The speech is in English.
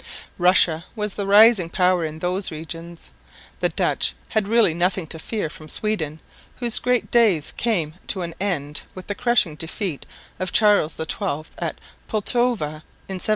Russia was the rising power in those regions. The Dutch had really nothing to fear from Sweden, whose great days came to an end with the crushing defeat of Charles XII at Pultova in 1709.